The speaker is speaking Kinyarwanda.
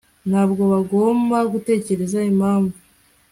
Ntabwo bagomba gutekereza impamvu